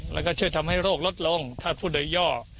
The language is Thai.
แล้วก็ช่วยทำให้โรคลดลงถ้าผู้ใดย่อ